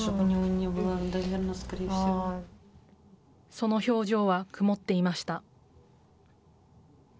その表情は曇っていました。